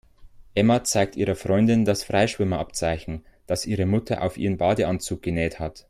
Emma zeigt ihrer Freundin das Freischwimmer-Abzeichen, das ihre Mutter auf ihren Badeanzug genäht hat.